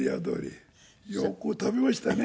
よく食べましたね。